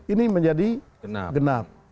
ini menjadi genap